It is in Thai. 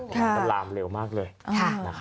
ค่ะรามเร็วมากเลยค่ะ